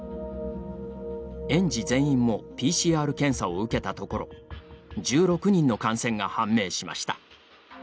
園児全員もＰＣＲ検査を受けたところ１６人の感染が判明しました。